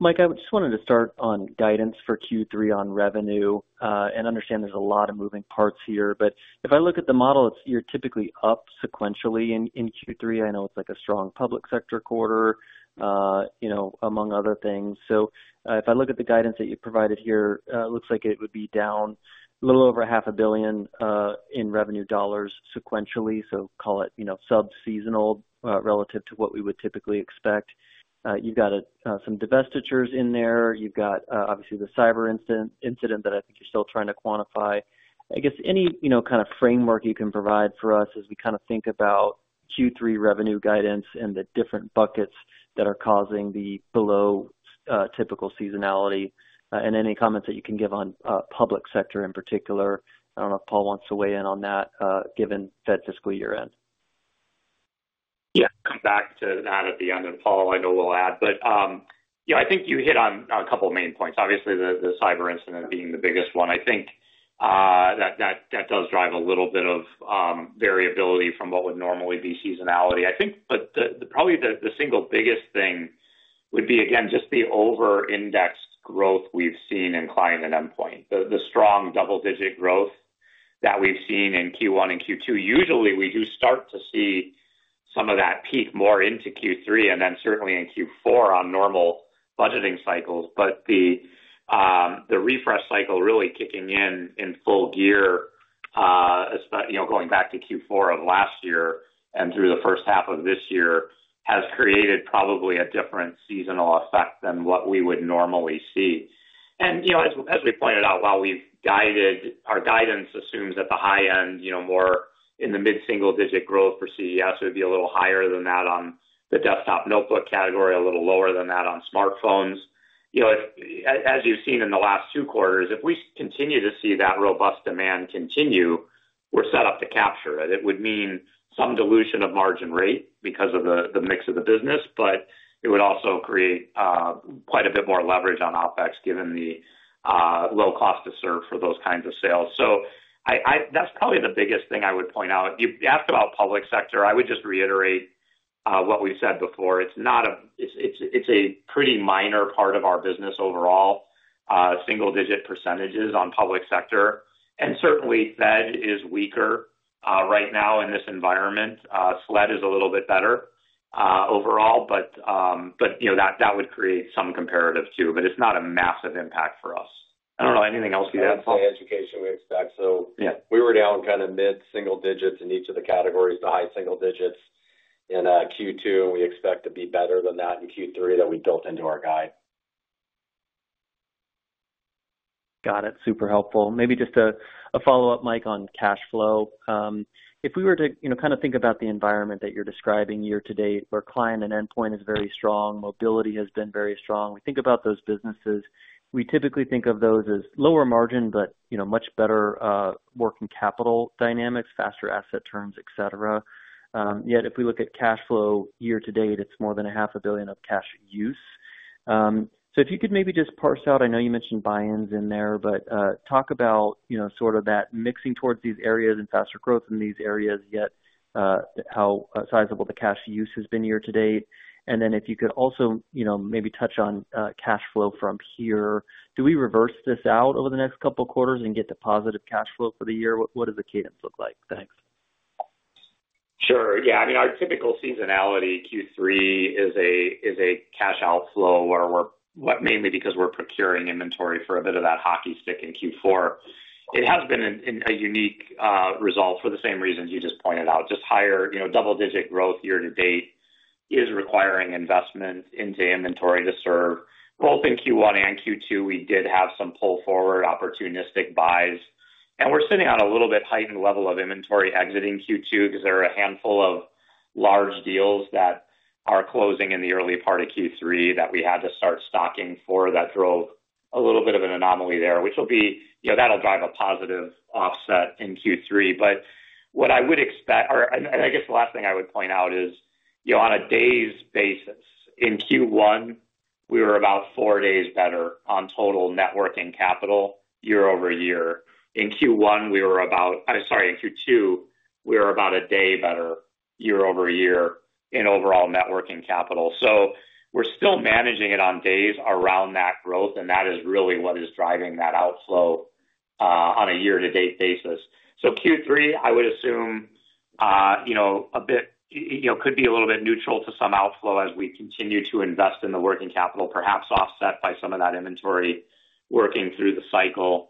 Mike, I just wanted to start on guidance for Q3 on revenue and understand there's a lot of moving parts here. If I look at the model, it's you're typically up sequentially in Q3. I know it's like a strong public sector quarter, among other things. If I look at the guidance that you provided here, it looks like it would be down a little over $0.5 billion in revenue dollars sequentially. Call it, you know, sub-seasonal relative to what we would typically expect. You've got some divestitures in there. You've got, obviously, the cyber incident that I think you're still trying to quantify. I guess any, you know, kind of framework you can provide for us as we kind of think about Q3 revenue guidance and the different buckets that are causing the below typical seasonality and any comments that you can give on public sector in particular. I don't know if Paul wants to weigh in on that given Fed fiscal year-end. Yeah. Come back to that at the end. Paul, I know we'll add, but I think you hit on a couple of main points. Obviously, the cyber incident being the biggest one. I think that does drive a little bit of variability from what would normally be seasonality. I think probably the single biggest thing would be, again, just the over-indexed growth we've seen in client and endpoint. The strong double-digit growth that we've seen in Q1 and Q2. Usually, we do start to see some of that peak more into Q3 and then certainly in Q4 on normal budgeting cycles. The refresh cycle really kicking in in full gear, going back to Q4 of last year and through the first half of this year, has created probably a different seasonal effect than what we would normally see. As we pointed out, while we've guided, our guidance assumes that the high end, more in the mid-single-digit growth for CES would be a little higher than that on the desktop notebook category, a little lower than that on smartphones. As you've seen in the last two quarters, if we continue to see that robust demand continue, we're set up to capture it. It would mean some dilution of margin rate because of the mix of the business, but it would also create quite a bit more leverage on OpEx given the low cost to serve for those kinds of sales. That's probably the biggest thing I would point out. You asked about public sector. I would just reiterate what we've said before. It's a pretty minor part of our business overall, single-digit % on public sector. Certainly, Fed is weaker right now in this environment. SLED is a little bit better overall, but that would create some comparative too, but it's not a massive impact for us. I don't know. Anything else you'd add? That's the only education we expect. We were down kind of mid-single digits in each of the categories, the high single digits in Q2, and we expect to be better than that in Q3 that we built into our guide. Got it. Super helpful. Maybe just a follow-up, Mike, on cash flow. If we were to, you know, kind of think about the environment that you're describing year to date, where client and endpoint is very strong, mobility has been very strong. We think about those businesses. We typically think of those as lower margin, but, you know, much better working capital dynamics, faster asset turns, etc. Yet if we look at cash flow year to date, it's more than $0.5 billion of cash use. If you could maybe just parse out, I know you mentioned buy-ins in there, but talk about, you know, sort of that mixing towards these areas and faster growth in these areas, yet how sizable the cash use has been year to date. If you could also, you know, maybe touch on cash flow from here. Do we reverse this out over the next couple of quarters and get to positive cash flow for the year? What does the cadence look like? Thanks. Sure. Yeah. I mean, our typical seasonality Q3 is a cash outflow mainly because we're procuring inventory for a bit of that hockey stick in Q4. It has been a unique result for the same reasons you just pointed out. Just higher, you know, double-digit growth year to date is requiring investment into inventory to serve. Both in Q1 and Q2, we did have some pull forward opportunistic buys. We're sitting on a little bit heightened level of inventory exiting Q2 because there are a handful of large deals that are closing in the early part of Q3 that we had to start stocking for that drove a little bit of an anomaly there, which will be, you know, that'll drive a positive offset in Q3. What I would expect, and I guess the last thing I would point out is, you know, on a day's basis, in Q1, we were about four days better on total net working capital year over year. In Q2, we were about a day better year over year in overall net working capital. We're still managing it on days around that growth, and that is really what is driving that outflow on a year-to-date basis. Q3, I would assume, you know, could be a little bit neutral to some outflow as we continue to invest in the working capital, perhaps offset by some of that inventory working through the cycle.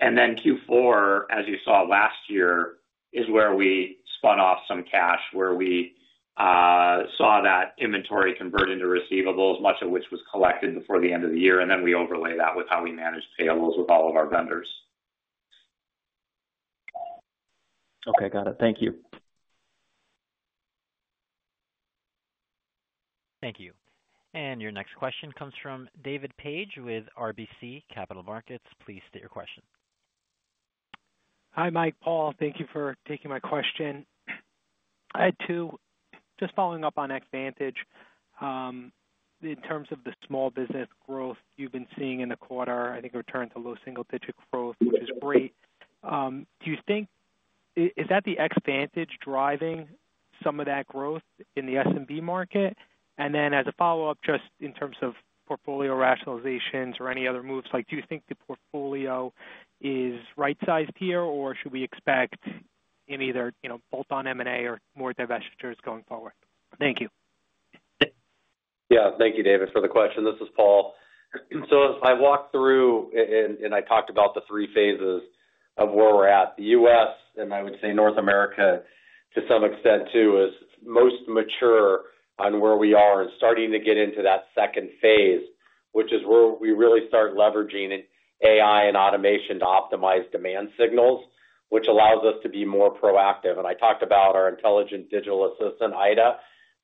Q4, as you saw last year, is where we spun off some cash, where we saw that inventory convert into receivables, much of which was collected before the end of the year. And we overlay that with how we manage payables with all of our vendors. Okay. Got it. Thank you. Thank you. Your next question comes from David Paige with RBC Capital Markets. Please state your question. Hi, Mike. Paul, thank you for taking my question. I had two. Just following up on Xvantage, in terms of the small business growth you've been seeing in the quarter, I think a return to low single-digit growth, which is great. Do you think, is that the Xvantage driving some of that growth in the SMB market? As a follow-up, just in terms of portfolio rationalizations or any other moves, do you think the portfolio is right-sized here, or should we expect in either, you know, bolt-on M&A or more divestitures going forward? Thank you. Yeah. Thank you, David, for the question. This is Paul. I walked through and I talked about the three phases of where we're at. The U.S., and I would say North America to some extent too, is most mature on where we are and starting to get into that second phase, which is where we really start leveraging AI and automation to optimize demand signals, which allows us to be more proactive. I talked about our intelligent digital assistant, IDA.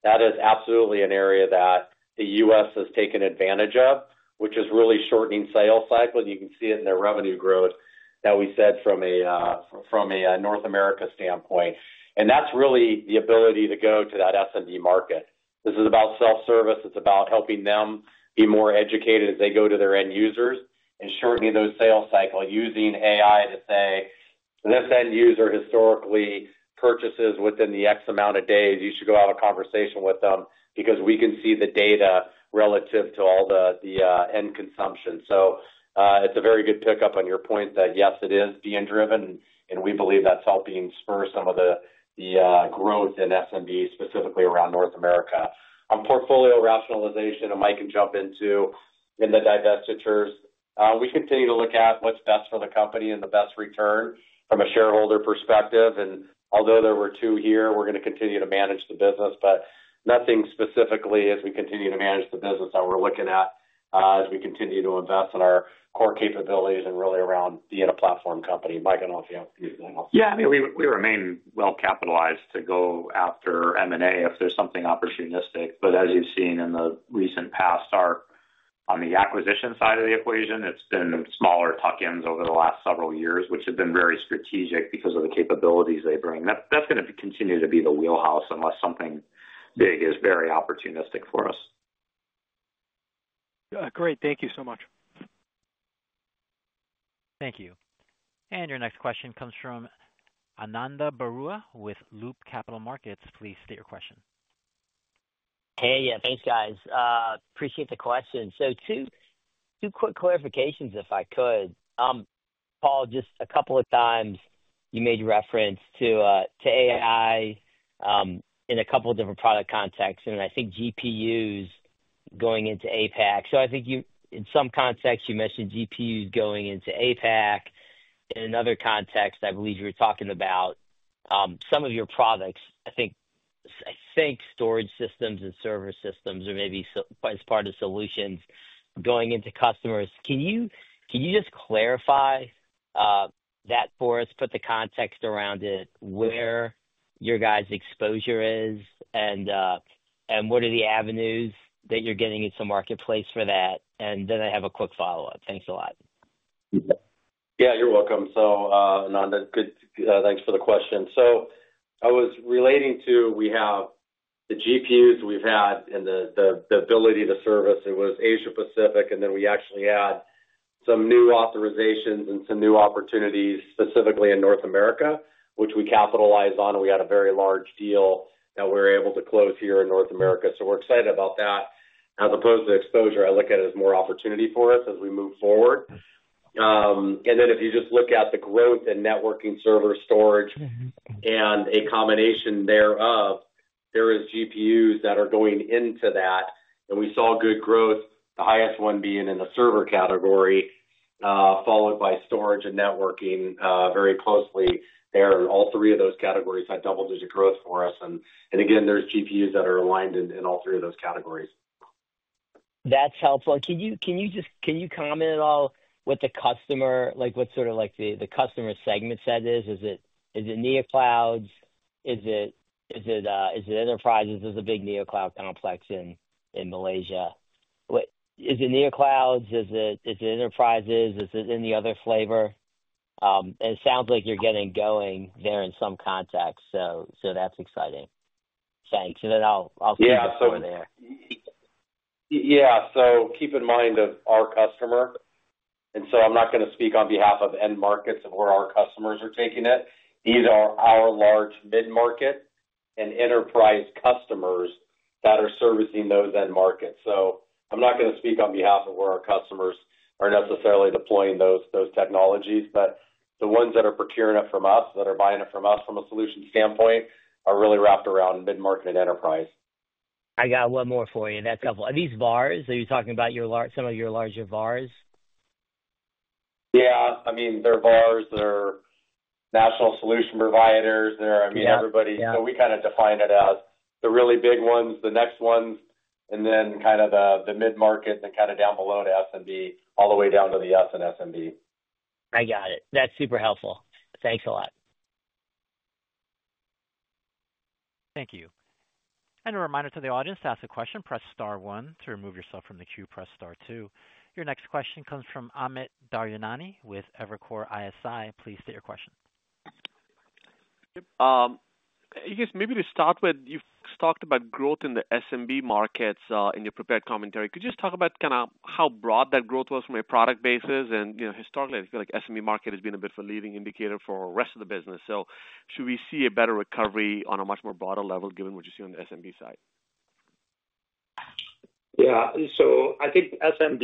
That is absolutely an area that the U.S. has taken advantage of, which is really shortening sales cycles. You can see it in their revenue growth that we said from a North America standpoint. That's really the ability to go to that SMB market. This is about self-service. It's about helping them be more educated as they go to their end users and shortening those sales cycles using AI to say, "This end user historically purchases within the X amount of days. You should go have a conversation with them because we can see the data relative to all the end consumption." It's a very good pickup on your point that, yes, it is being driven, and we believe that's helping spur some of the growth in SMB, specifically around North America. On portfolio rationalization, and Mike can jump into the divestitures, we continue to look at what's best for the company and the best return from a shareholder perspective. Although there were two here, we're going to continue to manage the business, but nothing specifically as we continue to manage the business that we're looking at as we continue to invest in our core capabilities and really around being a platform company. Mike, I don't know if you have anything else. Yeah. I mean, we remain well-capitalized to go after M&A if there's something opportunistic. As you've seen in the recent past, on the acquisition side of the equation, it's been smaller tuck-ins over the last several years, which have been very strategic because of the capabilities they bring. That's going to continue to be the wheelhouse unless something big is very opportunistic for us. Great, thank you so much. Thank you. Your next question comes from Ananda Baruah with Loop Capital Markets. Please state your question. Hey. Yeah. Thanks, guys. Appreciate the question. Two quick clarifications, if I could. Paul, just a couple of times, you made reference to AI in a couple of different product contexts. I think GPUs going into Asia-Pacific. In some context, you mentioned GPUs going into Asia-Pacific. In another context, I believe you were talking about some of your products. I think storage systems and server systems or maybe as part of the solutions going into customers. Can you just clarify that for us, put the context around it, where your guys' exposure is, and what are the avenues that you're getting into the marketplace for that? I have a quick follow-up. Thanks a lot. Yeah. You're welcome. Ananda, thanks for the question. I was relating to we have the GPUs that we've had and the ability to service. It was Asia-Pacific. We actually had some new authorizations and some new opportunities, specifically in North America, which we capitalized on. We had a very large deal that we were able to close here in North America. We're excited about that. As opposed to exposure, I look at it as more opportunity for us as we move forward. If you just look at the growth in networking, server, storage, and a combination thereof, there are GPUs that are going into that. We saw good growth, the highest one being in the server category, followed by storage and networking very closely. All three of those categories had double-digit growth for us. There's GPUs that are aligned in all three of those categories. That's helpful. Can you comment at all what the customer, like what sort of the customer segment set is? Is it NeoClouds? Is it enterprises? There's a big NeoCloud complex in Malaysia. Is it NeoClouds? Is it enterprises? Is it any other flavor? It sounds like you're getting going there in some context. That's exciting. Thanks. I'll stay on it for there. Yeah. Keep in mind our customer. I'm not going to speak on behalf of end markets of where our customers are taking it. These are our large mid-market and enterprise customers that are servicing those end markets. I'm not going to speak on behalf of where our customers are necessarily deploying those technologies. The ones that are procuring it from us, that are buying it from us from a solution standpoint, are really wrapped around mid-market and enterprise. I got one more for you in that couple. Are these VARs that you're talking about, your large, some of your larger VARs? Yeah. I mean, they're VARs, they're national solution providers, they're everybody. We kind of define it as the really big ones, the next ones, and then the mid-market and down below to SMB, all the way down to the S in SMB. I got it. That's super helpful. Thanks a lot. Thank you. A reminder to the audience, to ask a question, press star one. To remove yourself from the queue, press star two. Your next question comes from Amit Daryanani with Evercore ISI. Please state your question. I guess maybe to start with, you talked about growth in the SMB markets in your prepared commentary. Could you just talk about how broad that growth was from a product basis? Historically, I feel like the SMB market has been a bit of a leading indicator for the rest of the business. Should we see a better recovery on a much more broader level given what you see on the SMB side? Yeah. I think SMB,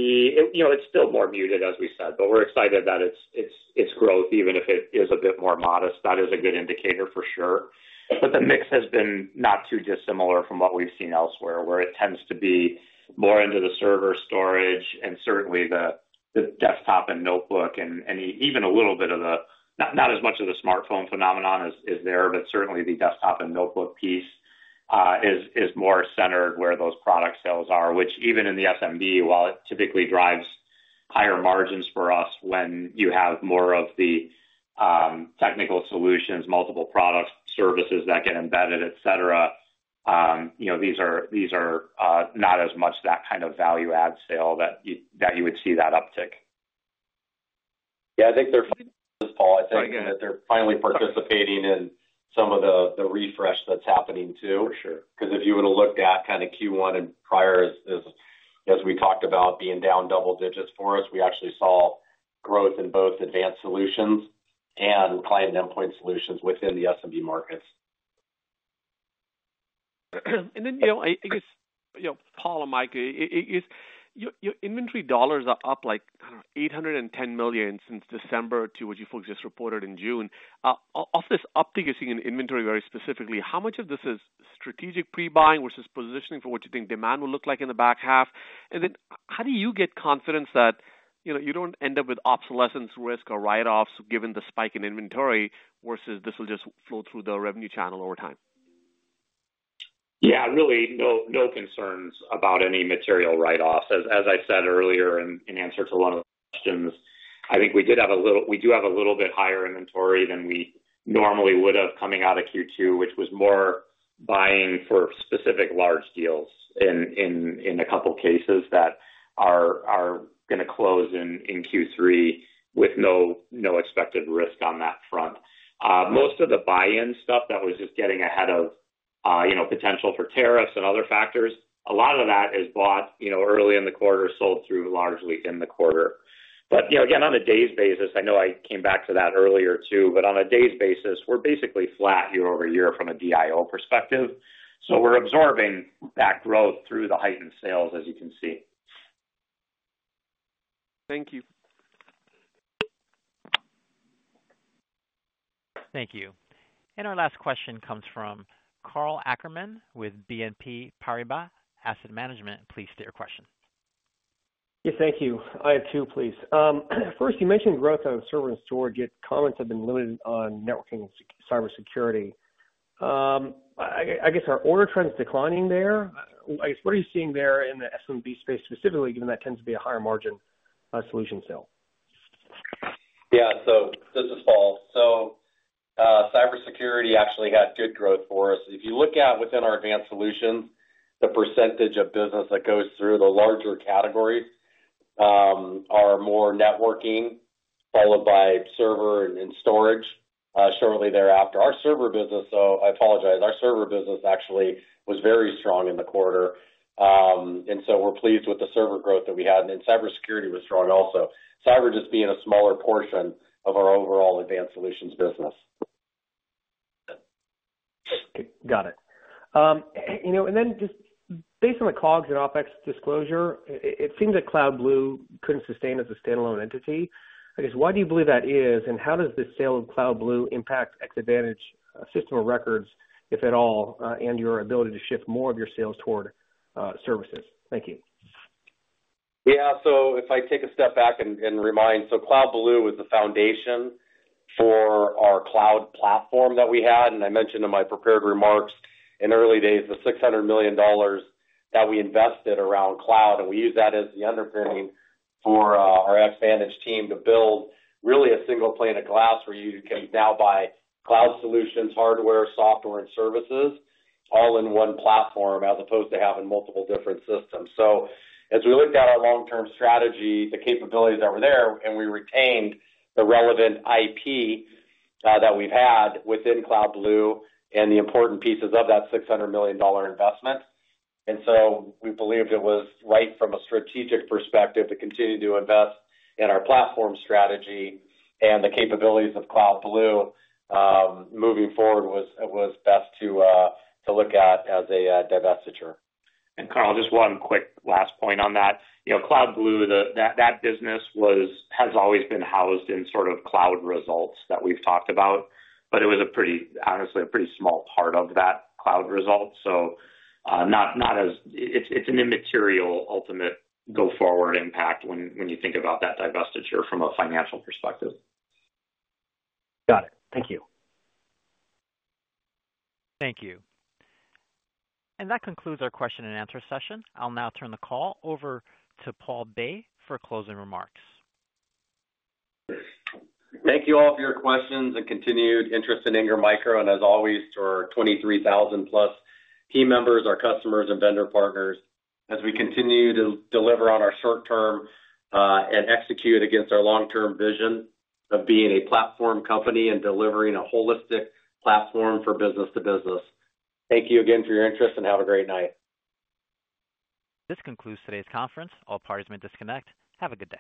you know, it's still more muted, as we said, but we're excited that it's growth. Even if it is a bit more modest, that is a good indicator for sure. The mix has been not too dissimilar from what we've seen elsewhere, where it tends to be more into the server storage and certainly the desktop and notebook and even a little bit of the, not as much of the smartphone phenomenon is there, but certainly the desktop and notebook piece is more centered where those product sales are, which even in the SMB, while it typically drives higher margins for us when you have more of the technical solutions, multiple products, services that get embedded, etc., you know, these are not as much that kind of value-add sale that you would see that uptick. I think they're finally participating in some of the refresh that's happening too. Because if you would have looked at kind of Q1 and prior, as we talked about being down double digits for us, we actually saw growth in both advanced solutions and client and endpoint solutions within the SMB markets. Paul and Mike, your inventory dollars are up like $810 million since December to what you folks just reported in June. Off this uptick you're seeing in inventory very specifically, how much of this is strategic pre-buying versus positioning for what you think demand will look like in the back half? How do you get confidence that you don't end up with obsolescence risk or write-offs given the spike in inventory versus this will just flow through the revenue channel over time? Yeah. Really, no concerns about any material write-offs. As I said earlier in answer to one of the questions, I think we did have a little, we do have a little bit higher inventory than we normally would have coming out of Q2, which was more buying for specific large deals in a couple of cases that are going to close in Q3 with no expected risk on that front. Most of the buy-in stuff was just getting ahead of, you know, potential for tariffs and other factors. A lot of that is bought, you know, early in the quarter, sold through largely in the quarter. On a day's basis, I know I came back to that earlier too, but on a day's basis, we're basically flat year over year from a DIO perspective. We're absorbing that growth through the heightened sales, as you can see. Thank you. Thank you. Our last question comes from Karl Ackerman with BNP Paribas Asset Management. Please state your question. Yes. Thank you. I have two, please. First, you mentioned growth on server and storage. Comments have been limited on networking and cybersecurity. I guess our order trend is declining there. What are you seeing there in the SMB space specifically, given that tends to be a higher margin solution sale? Yeah. This is Paul. Cybersecurity actually got good growth for us. If you look at within our advanced solutions, the percentage of business that goes through the larger categories are more networking, followed by server and storage shortly thereafter. Our server business actually was very strong in the quarter, so we're pleased with the server growth that we had. Cybersecurity was strong also, just being a smaller portion of our overall advanced solutions business. Got it. You know, and then just based on the COGS and OpEx disclosure, it seems that CloudBlue couldn't sustain as a standalone entity. I guess, why do you believe that is, and how does the sale of CloudBlue impact Xvantage's system of records, if at all, and your ability to shift more of your sales toward services? Thank you. Yeah. If I take a step back and remind, CloudBlue was the foundation for our cloud platform that we had. I mentioned in my prepared remarks in early days the $600 million that we invested around cloud. We use that as the underpinning for our Xvantage team to build really a single pane of glass where you can now buy cloud solutions, hardware, software, and services all in one platform as opposed to having multiple different systems. As we looked at our long-term strategy, the capabilities that were there, and we retained the relevant IP that we've had within CloudBlue and the important pieces of that $600 million investment. We believed it was right from a strategic perspective to continue to invest in our platform strategy and the capabilities of CloudBlue moving forward was best to look at as a divestiture. Karl, just one quick last point on that. CloudBlue, that business has always been housed in sort of cloud results that we've talked about. It was a pretty, honestly, a pretty small part of that cloud result. Not as it's an immaterial ultimate go-forward impact when you think about that divestiture from a financial perspective. Got it. Thank you. Thank you. That concludes our question and answer session. I'll now turn the call over to Paul Bay for closing remarks. Thank you all for your questions and continued interest in Ingram Micro. As always, to our 23,000-plus team members, our customers, and vendor partners, as we continue to deliver on our short term and execute against our long-term vision of being a platform company and delivering a holistic platform for business to business. Thank you again for your interest and have a great night. This concludes today's conference. All parties may disconnect. Have a good day.